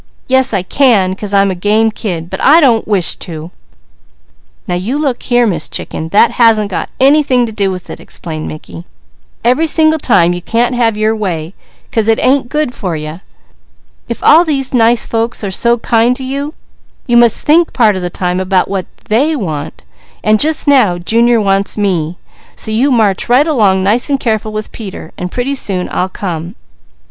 "Yes I can, 'cause I'm a game kid; but I don't wish to!" "Now you look here, Miss Chicken, that hasn't got anything to do with it," explained Mickey. "Every single time you can't have your way, 'cause it ain't good for you. If all these nice folks are so kind to you, you must think part of the time about what they want, and just now Junior wants me, so you march right along nice and careful with Peter, and pretty soon I'll come."